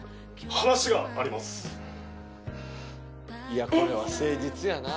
「いやこれは誠実やな」